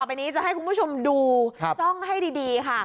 ไปนี้จะให้คุณผู้ชมดูจ้องให้ดีค่ะ